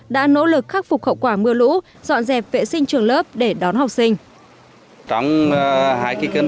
đã nỗ lực khắc phục khẩu quả mưa lũ dọn dẹp vệ sinh trường lớp để đón học sinh